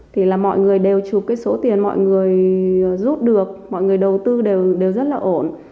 thì là mọi người đều chụp cái số tiền mọi người rút được mọi người đầu tư đều rất là ổn